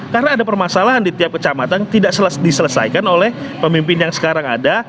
karena ada permasalahan di tiap kecamatan tidak diselesaikan oleh pemimpin yang sekarang ada